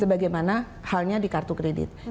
sebagai mana hal ini bisa diperhatikan